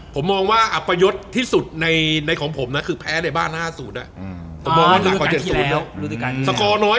ผมมองว่าอัพยศที่สุดของผมนะคือแพ้ในบ้านห้าศูนย์